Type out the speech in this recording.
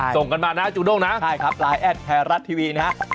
ส่งกันมานะจุดโน่งนะนะครับไลน์แอดแพรรัสทีวีนะครับ